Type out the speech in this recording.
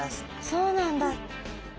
そうなんだ。